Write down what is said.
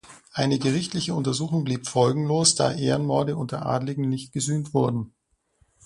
Eine gerichtliche Untersuchung blieb folgenlos, da Ehrenmorde unter Adligen nicht gesühnt wurden.